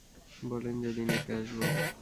বলেন যদি নিতে আসবো?